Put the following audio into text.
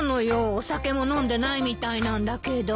お酒も飲んでないみたいなんだけど。